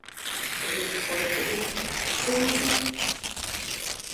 Er lebt heute in Thonon.